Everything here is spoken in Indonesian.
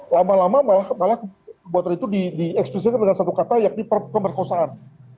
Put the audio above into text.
lama lama malah malah perbuatan itu diekspresikan dengan satu kata yakni pemerkosaan